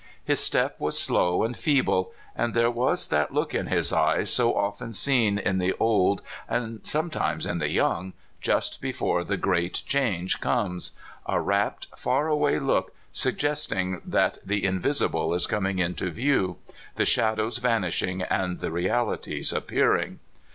His step was slow and feeble, and there was that look in his eyes so often seen 220 CALIFORNIA SKETCHES. in the old and sometimes in the young, just before the great change comes — a rapt, far away look, suggesting that the invisible is coming into view, the shadows vanishing and the realities appearing.